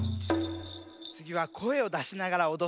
つぎはこえをだしながらおどってみるよ。